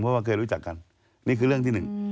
เพราะว่าเคยรู้จักกันนี่คือเรื่องที่หนึ่ง